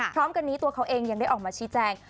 พร้อมกันนี้ตัวเขาเองยังได้ออกมาชี้แจง